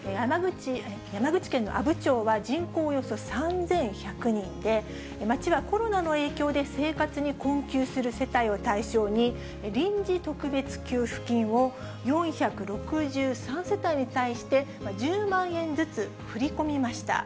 山口県の阿武町は人口およそ３１００人で、町はコロナの影響で生活に困窮する世帯を対象に、臨時特別給付金を４６３世帯に対して、１０万円ずつ振り込みました。